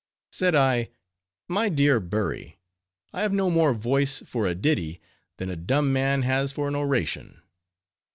Said I, "My dear Bury, I have no more voice for a ditty, than a dumb man has for an oration.